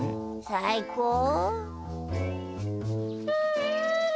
さいこう？